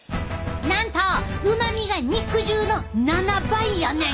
なんとうまみが肉汁の７倍やねん！